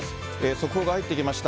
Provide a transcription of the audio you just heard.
速報が入ってきました。